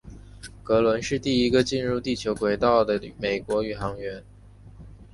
格伦是第一个进入地球轨道的美国宇航员。